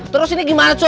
terus ini gimana cuy